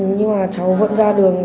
nhưng mà cháu vẫn ra đường